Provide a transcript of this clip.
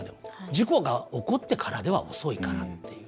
事故が起こってからでは遅いからっていう。